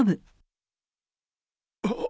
あっ。